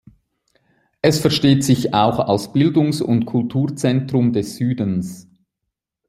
Es versteht sich auch als Bildungs- und Kulturzentrum des Südens.